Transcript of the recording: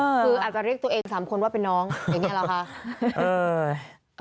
คืออาจจะเรียกตัวเอง๓คนว่าเป็นน้องอย่างนี้หรอคะ